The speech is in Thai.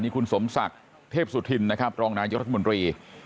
คุณสมศักดิ์เทพสุธินนะครับรองนายกรัฐมนตรี